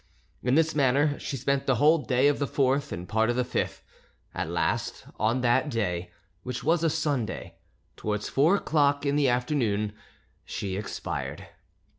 In this manner she spent the whole day of the 4th and part of the 5th. At last, on that day, which was a Sunday, towards four o'clock in the afternoon, she expired.